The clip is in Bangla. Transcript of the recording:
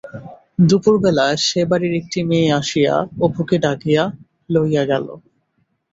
দুপুর বেলা সে-বাড়ির একটি মেয়ে আসিয়া অপুকে ডাকিয়া লইয়া গেল।